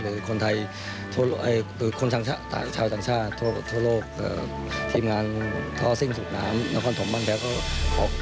และคนชาวต่างชาตย์ทั่วโลก